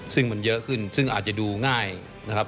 ซึ่งมันเยอะขึ้นซึ่งอาจจะดูง่ายนะครับ